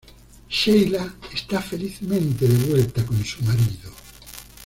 Sheila está felizmente de vuelta con su marido.